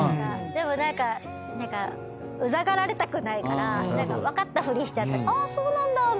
でもウザがられたくないから分かったふりしちゃってあっそうなんだみたいな。